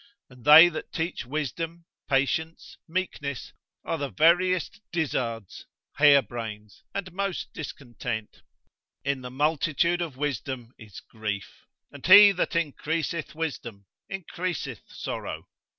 And they that teach wisdom, patience, meekness, are the veriest dizzards, harebrains, and most discontent. In the multitude of wisdom is grief, and he that increaseth wisdom, increaseth sorrow.